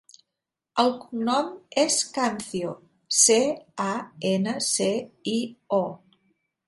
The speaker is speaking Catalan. El cognom és Cancio: ce, a, ena, ce, i, o.